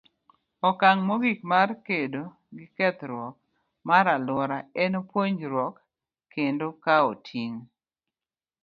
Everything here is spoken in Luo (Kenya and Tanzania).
Okang' mogik mar kedo gi kethruok mar alwora en puonjruok kendo kawo ting'.